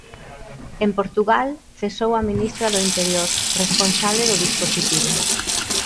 En Portugal cesou a ministra do Interior, responsable do dispositivo.